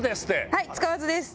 はい使わずです